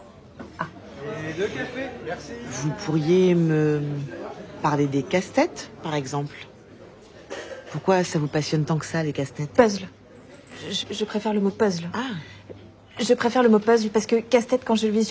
ああ！